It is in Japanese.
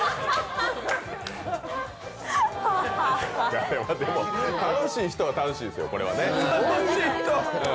あれは、でも、楽しい人は楽しいですよね。